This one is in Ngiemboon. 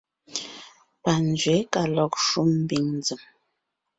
Panzwě ka lɔg shúm ḿbiŋ nzèm.